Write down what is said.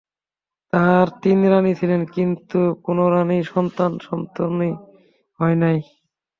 তাঁহার তিন রাণী ছিলেন, কিন্তু কোন রাণীরই সন্তান-সন্ততি হয় নাই।